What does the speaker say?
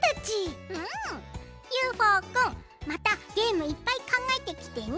ＵＦＯくんまたゲームいっぱいかんがえてきてね。